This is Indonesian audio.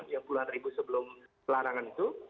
yang puluhan ribu sebelum pelarangan itu